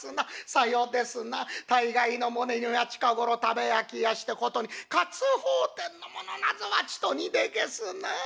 さようですな大概のものには近頃食べ飽きやしてことに割烹店のものなぞはちと荷でげすなあ。